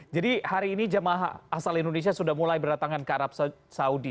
jadi hari ini jamaah asal indonesia sudah mulai berdatangan ke arab saudi